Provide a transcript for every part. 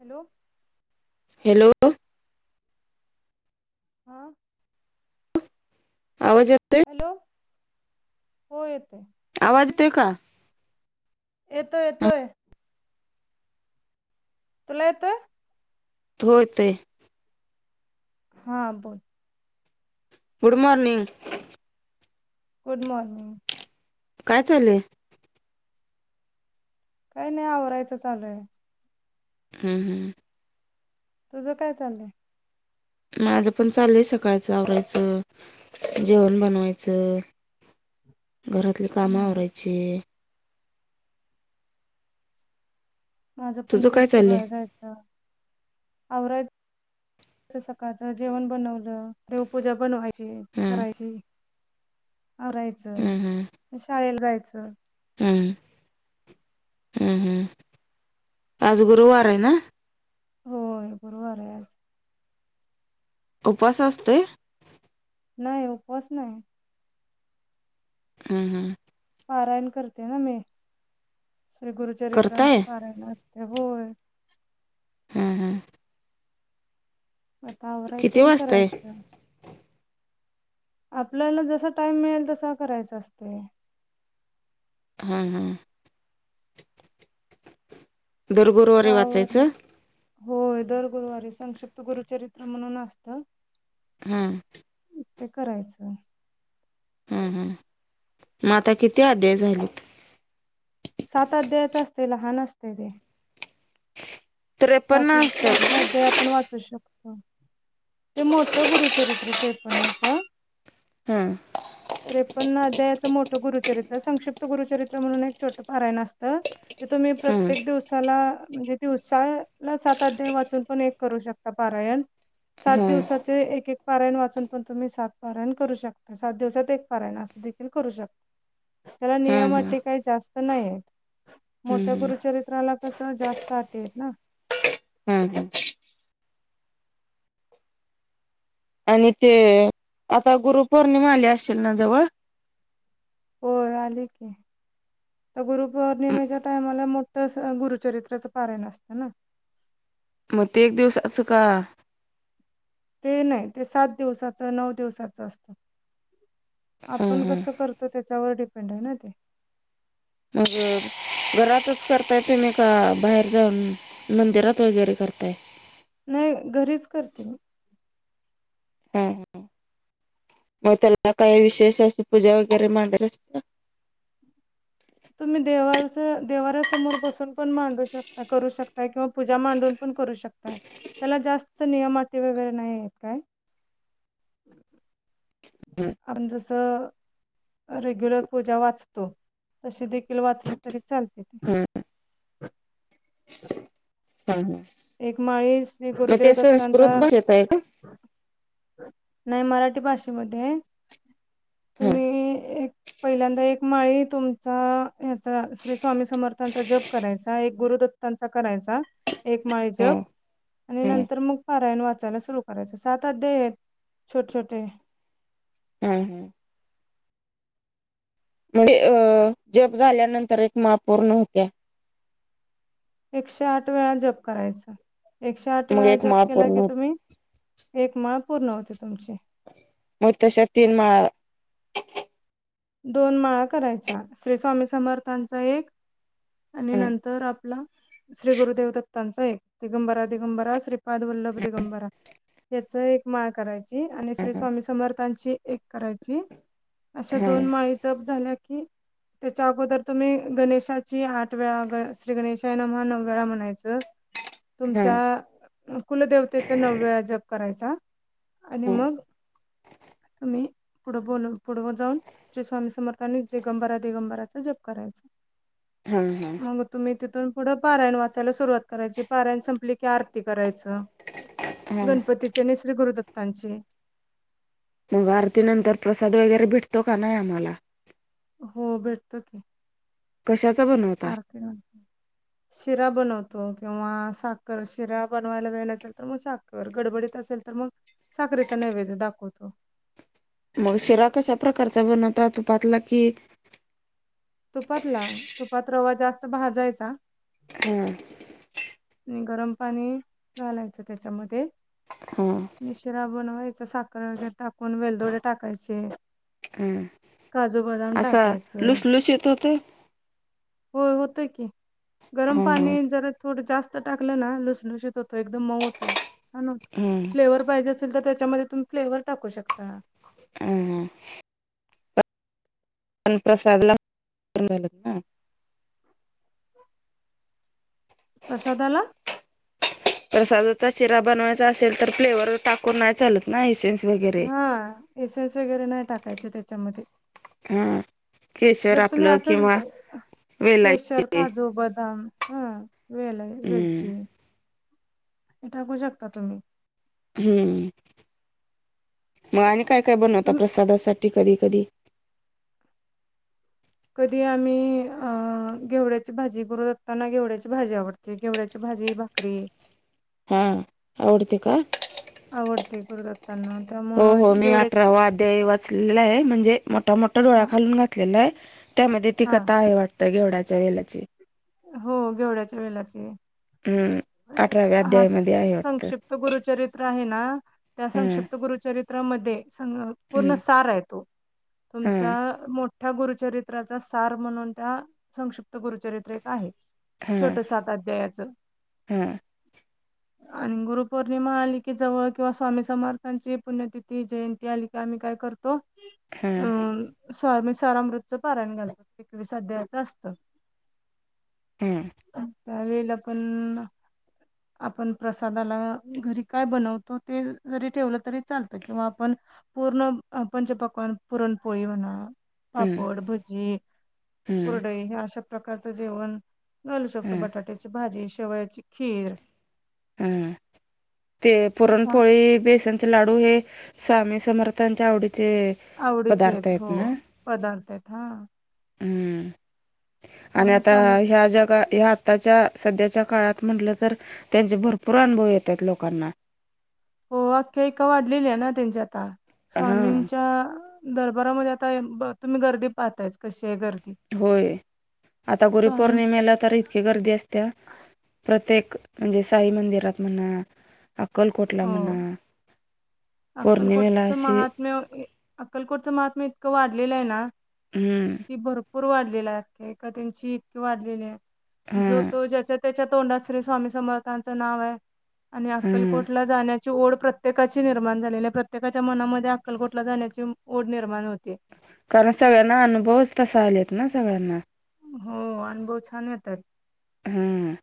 Hello, hello, हा, आवाज येतोय. हॅलो हो येतोय. आवाज येतोय का. येतोय येतोय. तुला येतोय. होेय येतोय. हा बोल. Good morning. Good morning. काय चालेय. काही नाही आवराहायचं चालय. हम्म हम्म. तुझं काय चाललंय. माझं पण चाललंय सकाळचं आवरायचं. जेवण बनवायचं घरातली काम हम्म आवरायचे. माझं पण तुझं तेच काय सुरू चाललंय आहे जायचं आवराय. त सकाळचं जेवण बनवलं देवपूजा बनवायची हम्म करायची. हम्म राहायचं शाळेला जायचं. हम्म. हम्म हम्म. आज गुरुवार आहे ना. होय गुरुवार आहे आज. उपवाास असतेय. नाही उपवास नाही. हम्म हम्म. पारायण करते ना मी श्री करताय गुरुचरित्रांचं पारायण असते होय. हम् हम्. आता आवरायचं किती आणि वाजताय करायचं. आपल्याला जसा टाइम मिळेल तसा करायच असते. हम्म हम्म. दर गुरुवारी आता आवरल वाचायचं होय दर गुरुवारी संक्षिप्त गुरुचरित्र म्हणून असत हा. ते करायचंय. हम हम मग आता किती अध्याय झाले? सात अध्यायच असते लहान असते ते त्रेपन्न सातीचे असतात साती ना अध्याय आपण वाचू शकतो. ते मोठं गुरुचरित्र त्रेपन्नचं हा.. त्रेपन्न अध्यायाचं मोठं गुरुचरित्र संक्षिप्त गुरुचरित्र म्हणून एक छोटं पारायण असतं. ते तुम्ही प्रत्येक हम्म दिवसाला म्हणजे दिवसा म सात अध्याय वाचून पण एक करू शकता पारायण सात हम्म दिवसाचे एक एक पारायण वाचून पण तुम्ही सात पारायण करू शक सात दिवसात एक पारायण असं देखील करू शक त्याला हा हा नियम अटी काही जास्त नाहीयेत. मोठ्या हम्म गुरुचरित्राला कसं जास्त अटी आहेत ना. हमम. आणि ते आता गुरुपौर्णिमा आली असेल ना जवळ? होय आली की तर गुरुपौर्णिमेच्या टाइमाला मो तस गुरुचरित्राचं पारायण असतं ना. मग ते एक दिवस अस का? ते नाही ते सात दिवसाचं नऊ दिवसाचं असत आपण हा कसं कर तो त्याच्यावर डिपेंड आहे ना ते मग अ घरातच करताय तुम्ही का बाहेर जाऊन? मंदिरात वगैरे करताय? नाही घरीच करते मी. हमम मग त्याला काय विशेष अशी पूजा वगैरे मांडायची? तुम्ही देवार देव्हाऱ्यासमोर बसून पण मांडू शकता करू शकता किंवा पूजा मांडून पण करू शकता त्याला जास्त नियम अटी वगैरे नाही आहेत काय हा [inaudible] आपण जसं रेग्युलर पूजा वाच तो तसे देखील वाचले तरी चालते. हा हा हा. एक माळी श्री मग गुरुदेव ते दत्तांचा संस्कृत भाषेत आहे का नाही मराठी भाषेमध्ये ये. हा तुम्ही एक पहिल्यांदा एक माळी तुमचा याचा श्री स्वामी समर्थांचा जप करायचा एक गुरुदत्तांचा करायचा माळ हा जप आणि हा नंतर हा मग पारायण वाचायला सुरु करायच सात अध्याय आहेत छोटे छोटे हमम हम. म्हणजे अ जप झाल्यानंतर एक माळ पूर्ण होत्या. एकशे आठ वेळा जप करायच. एकशे आठ मग वेळा एक जप माळ केला पूर्ण की होत तुम्ही एक माळ पूर्ण होती तुमची. मग तश्या तीन माळा दोन माळा करायच्या श्री स्वामी समर्थांचा एक आणि हा नंतर आपला श्री गुरु देव दत्तांचा, दिगंबरा-दिगंबरा श्रीपाद वल्लभ दिगंबरा याच एक माळ करायची आणि श्री हा स्वामी समर्थांची एक करायची त्या हा दोन माळी जप झाल्या की त्याच्या अगोदर तुम्ही, गणेशाची आठ वेळा, ग श्री गणेशाय नमः नऊ वेळा म्हणायचं. हा तुमच्या अ कुलदेवतेचा नऊ वेळा जप करायचा आणि मग तुम्ही, पुढं बोलू, पुढं जाऊन श्री स्वामी समर्था आणि दिगंबरा दिगंबराचा जप करायचा. हम्म ह. मग तुम्ही तिथून पुढं पारायण वाचायला सुरुवात करायची, पारायण संपली की आरती करायचं. हा गणपतीची आणि श्री गुरुदत्तांची. मग आरती नंतर प्रसाद वगैरे भेटतो का नाही आम्हाला हो भेटतो की. कशाचा बनवता. शीरा. शिरा बनवतो किंवा साखर, शिरा बनवायला वेळ नसेल तर मग साखर. तर गडबडीत असेल तर, मग साखरेच नैवेद्य दाखवतो. मग शिरा कशा प्रकारचा बनवता, तुपातला की तुपातला, तुपात रवा जास्त भाजायचा हम्म. आणि गरम पाणी घालायचं त्याच्यामध्ये हम. आणि शिरा बनवायच, साखर वगैरे टाकून वेलदोडे टाकायचे. हा काजू बदाम असा टाकायच. लुसलुशीत होतोय होय होत की, गरम हा पाणी हा जरा थोडं जास्त टाकलं ना लुसलुशीत होतो, एकदम मऊ होतो, छान होत हा फ्लेवर पाहिजे. तर त्याच्यामध्ये तुम्ही फ्लेवर टाकू शकता. हम-हम्म पण प्रसाद ला पण घालत ना. प्रसादा ला. प्रसादाचा शिरा बनवायचा असेल तर फ्लेवर टाकून नाही चालत. नाही सेन मी घेत. हा एस-एस वगैरे नाही टाकायचे त्याच्यामध्ये. हम्म. केशर जर तुम्ही आपलं असंच किंवा वेलाय केशर, ची. काजू, बदाम हा वेल आहे वेलची, हे टाकू शकता तुम्ही. हम्म, मग आणि काय-काय बनवता तुम- प्रसादा साठी कधी-कधी. कधी आम्ही अ घेवड्याची भाजी गुरुदत्तांना घेवड्याची भाजी आवडते. ते घेवड्याची भाजी भाकरी. हम्म, आवडते का? आवडते गुरुदत्त. त्यांना त्यामुळे. हो-हो मी अठरावा अध्याय वाचलेला आहे. म्हणजे मोठा-मोठा डोळा हा खालून घातलेला आहे. त्यामध्ये ती हा कथा आहे वाटत, घेवडाच्या वेलाची. हो घेवढ्याच्या वेलाची. हम्, अठराव्या अध्यायामध्ये आहे वाटतं? ते गुरुचरित्र आहे ना, त्या हम्म संक्षिप्त गुरुचरित्रामध्ये संग्रह- पूर्ण हम्म सार हाय तो, तुमचा- मोठ्या गुरुचरित्राचा सार म्हणून त्या संक्षिप्त गुरुचरित्र एक आहे. छोट सात आध्यायाच. हं. आणि गुरुपौर्णिमा आली की जवळ किंवा स्वामी समर्थांची पुण्यतिथी जयंती आली- की आम्ही काय करतो- हं. अं स्वामी सरामृतचं पाराण घालतो, एकवीस अध्यायच असतं. हम्म. त्यावेेळेला पण- आपण प्रसादाला घरी काय बनवतो ते, जरी ठेवलं तरी चालतं किंवा आपण- पूर्ण पंचपक्वान पुरणपोळी म्हणा- हम्म पापड, भजी, हम्म हम्म कुरडई हे अशा प्रकारचं जेवण- घालू शकतो, हम्म बटाट्याची भाजी, शेवयाची खीर- हं, ते पुरणपोळी, बेसनचे लाडू हे? स्वामी समर्थांच्या आवडीचे- आवडीचे पदार्थ आहेत. हो ना पदार्थ आहेत हा. हम्म आणि त्यामुळे आता स्वामी ह्या जगा ह्यात- आताच्या सध्याच्या काळात म्हटलं तर, त्यांचे भरपूर अनुभव येत्यात लोकांना. हो, अख्यायिका वाढलेली आहे ना त्यांच्या आता हा स्वामींच्या- दरबारामध्ये आता तुम्ही गर्दी पाहतायच, कशी आहे गर्दी. होय, आता स्वामींची गुरुपौर्णिमेला तरी- गर्दी असत्या, प्रत्येक म्हणजे साई मंदिरात म्हणा- अक्कलकोटला हो म्हणा, पौर्णिमेला अशी- म अक्कलकोटचं महात्म्य इतकं वाढलेलं आहे ना- हम्म. की भरपूर वाढलेली आख्यायिका त्यांची वाढलेली जो हा तो ज्याच्या- त्याच्या तोंडात श्री स्वामी समर्थांचं नाव आहे आणि हा अक्कलकोटला जाण्या- ची ओढ प्रत्येकाची निर्माण झालेली आहे, प्रत्येकाच्या मनामध्ये अक्कलकोटला जाण्याची ओढ निर्माण होतीये. कारण सगळ्यांना अनुभवच तसा आलेत ना, सगळ्यांना. हो, अनुभव छान येतात. हं.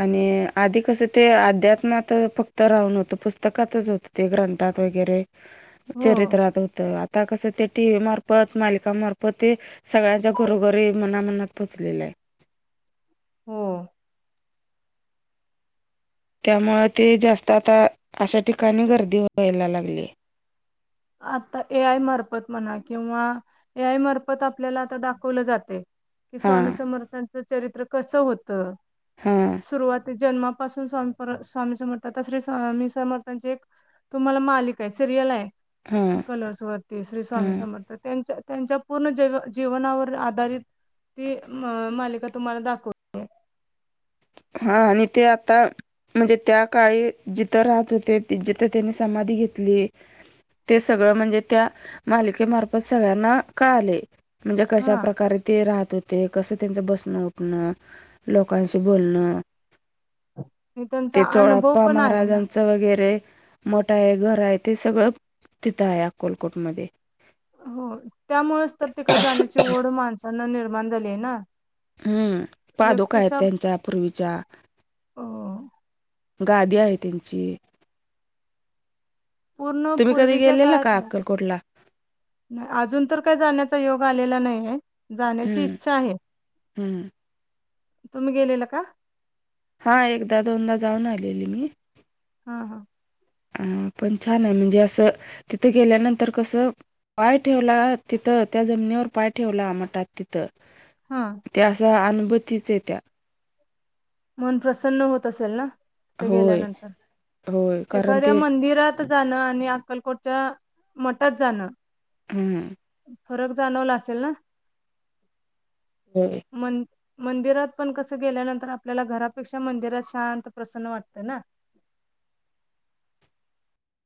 आणि आधी कसं ते अध्यात्मात फक्त राहून होतं, पुस्तकातच होतं ते ग्रंथात वगैरे. हो चरित्रात होत, आता कसं ते टीव्ही मार्फत, मालिकामार्फत ते- सगळ्यांच्या घरोघरी, मना-मनात पोचलेलं आहे. हो. त्यामूळ ते जास्त आता अशा ठिकाणी गर्दी व्हायला लागलीये. आता ए आय मार्फत म्हणा किंवा ए आय मार्फत आपल्याला आता दाखवलं जातय- कि, हा स्वामी समर्थांचं चरित्र कसं होतं? हा. सुरुवाती जन्मापासून स्वामी, स्वामी समर्थ श्री स्वामी समर्थांचे एक- तुम्हाला मालिका आहे, सिरियल आहे. हा कलर्स वरती श्री हा स्वामी समर्थ, त्यांच्या, त्यांच्या पूर्ण जैव जीवनावर आधारित- ती मा मालिका तुम्हाला दाख''--'' हा आणि ते आता. म्हणजे त्या काळी जिथं राहत होते जिथं त्यांनी समाधी घेतली. ते सगळं म्हणजे त्या मालिकेमार्फत सगळ्यांना कळालेय. म्हणजे हा कशा प्रकारे ते राहत होते कस त्यांच बसणं उठणं लोकांशी. बोलणं आणि त्यांचा ते अनुभव चोळप्पा पण आहे ना महाराजांचं. वगैरे मठ आहे घर आहे ते सगळं तिथं आहे अकलकोटमध्ये. हो त्यामुळेच तर तिकडे जाण्याची ओढ माणसांना निर्माण झाली आहे ना. हम्म पादुक आहेत त्यांच्या पूर्वीच्या. हो, गादी आहे त्यांची. पूर्ण तुम्ही कधी पूर्वीच्या गेलेला का काळातल्या. अक्कलकोटला ना अजून तर काय जाण्याचा योग आलेला नाही आहे जाण्याची हम्म इच्छा आहे. हम्म. तुम्ही गेलेला का. हा एकदा दोनदा जाऊन आलेली मी. हा हा, हा पण छान आहे म्हणजे असं तिथं गेल्यानंतर कस. पाय ठेवला तिथं त्या जमिनीवर पाय ठेवला मठात तिथ. त हा त्या अस अनुभूतीच येत्या. मन प्रसन्न होत असेल ना तिथं होय होय गेल्यानंतर कारण एखाद्या ते मंदिरात. त जाणं आणि अक्कलकोटच्या मठात जाणं. हम्. फरक जाणवला असेल ना. होय. मन''--'' मंदिरात पण कसं गेल्यानंतर आपल्याला घरापेक्षा मंदिरात शांत प्रसन्न वाटतंय ना.